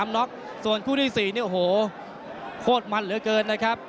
น็อกส่วนคู่ที่๔เนี่ยโอ้โหโคตรมันเหลือเกินนะครับ